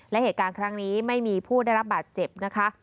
และเหตุการณ์ครั้งนี้ไม่มีผู้ได้รับบาดเจ็บนะคะ